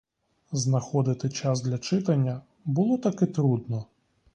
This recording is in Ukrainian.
Знаходити час для читання було таки трудно.